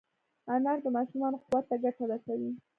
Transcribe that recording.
انار د ماشومانو قوت ته ګټه رسوي.